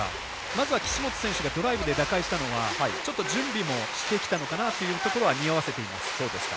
まずは岸本選手がドライブで打開したのはちょっと準備もしてきたのかなというのはにおわせています。